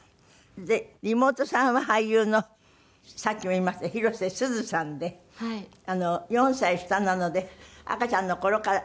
で妹さんは俳優のさっきも言いました広瀬すずさんで４歳下なので赤ちゃんの頃から。